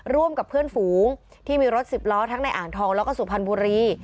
ร่วมกับเพื่อนฝูงที่มีรถสิบล้อทั้งในอ่างทองแล้วก็สุพรรณบุรี